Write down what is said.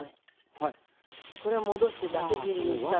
これは戻してザク切りにしたもの。